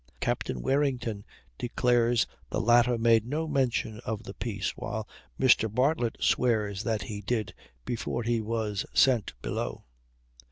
Captain Warrington declares the latter made no mention of the peace, while Mr. Bartlett swears that he did before he was sent below.